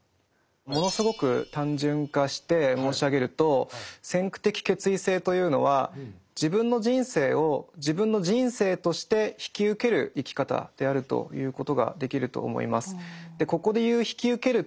ものすごく単純化して申し上げると先駆的決意性というのは自分の人生を自分の人生として引き受ける生き方であると言うことができると思います。